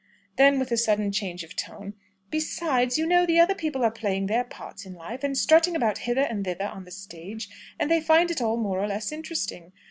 Then, with a sudden change of tone, "Besides, you know, the other people are playing their parts in life, and strutting about hither and thither on the stage, and they find it all more or less interesting.